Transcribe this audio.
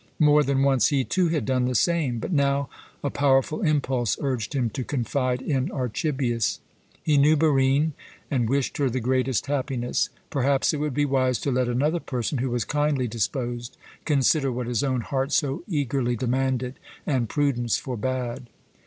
More than once he, too, had done the same, but now a powerful impulse urged him to confide in Archibius. He knew Barine, and wished her the greatest happiness. Perhaps it would be wise to let another person, who was kindly disposed, consider what his own heart so eagerly demanded and prudence forbade.